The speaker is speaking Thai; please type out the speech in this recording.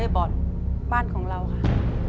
บ้านของเราค่ะ